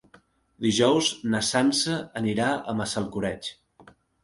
Dijous na Sança anirà a Massalcoreig.